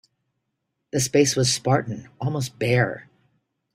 The space was spartan, almost bare.